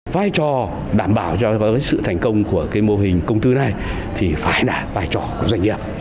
vai trò đảm bảo cho sự thành công của cái mô hình công tư này thì phải là vai trò của doanh nghiệp